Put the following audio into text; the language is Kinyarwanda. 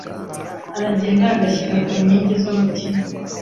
aragenda agashyika ku nkingi z’umutima